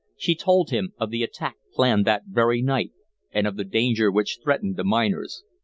She told him of the attack planned that very night and of the danger which threatened the miners.